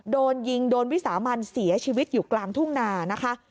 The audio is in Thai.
โดนยิงโดนวิสามันเสียชีวิตอยู่กลางทุ่งนานะคะ